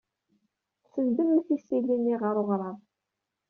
Senndemt isili-nni ɣer uɣrab.